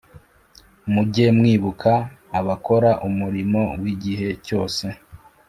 Mujye mwibuka abakora umurimo w’igihe cyose.